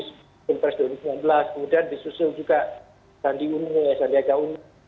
sebelum presiden ke sembilan belas kemudian disusul juga sandi uno ya sandiaga uno